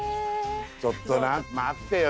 ちょっと待ってよ